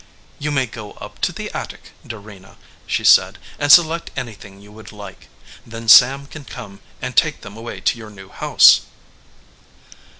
"You may go up in the attic, Dorena," she said, "and select anything you would like ; then Sam can come and take them away to your new house."